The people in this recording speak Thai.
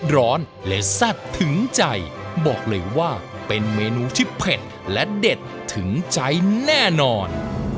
ร้อนและแซ่บถึงใจบอกเลยว่าเป็นเมนูที่เผ็ดและเด็ดถึงใจแน่นอน